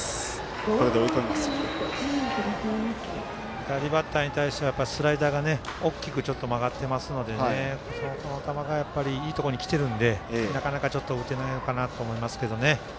左バッターに対してはスライダーが大きく曲がってますのでその球が、やっぱりいいところにきてるのでなかなか、ちょっと打てないのかなと思いますけどね。